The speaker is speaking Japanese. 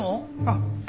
あっ！